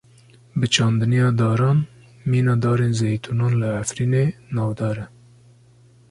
Bi çandiniya daran, mîna darên zeytûnan li Efrînê, navdar e.